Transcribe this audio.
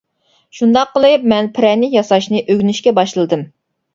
شۇنداق قىلىپ مەن پىرەنىك ياساشنى ئۆگىنىشكە باشلىدىم.